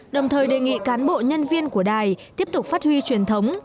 đồng thời đề nghị cán bộ nhân viên của đài tiếp tục phát huy truyền thống